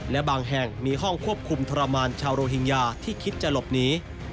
และบางแห่งมีห้องควบคุมทรมานชาวโรฮิงญาที่คิดจะหลบหนี